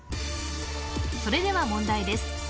それでは問題です